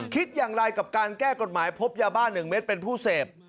คิดอย่างไรกับการแก้กฎหมายพบยาบ้า๑เม็ดเป็นผู้เสพ